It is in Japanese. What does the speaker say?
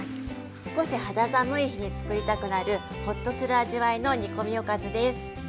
少し肌寒い日につくりたくなるほっとする味わいの煮込みおかずです。